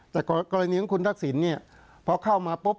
แต่กรณีของคุณทักษิณเนี่ยพอเข้ามาปุ๊บ